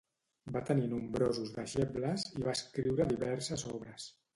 Va tenir nombrosos deixebles i va escriure diverses obres.